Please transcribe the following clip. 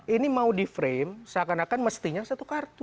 ini mau di frame seakan akan mestinya satu kartu